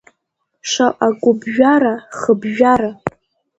Шаҟа гәыԥжәара-хыԥжәара.